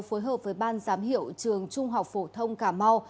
phối hợp với ban giám hiệu trường trung học phổ thông cà mau